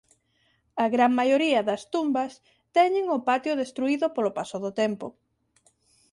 A gran maioría das tumbas teñen o patio destruído polo paso do tempo.